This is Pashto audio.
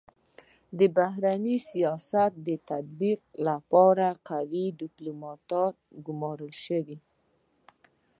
د بهرني سیاست د تطبیق لپاره قوي ډيپلوماتان و ګمارل سي.